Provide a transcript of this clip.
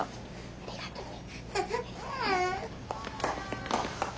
ありがとね。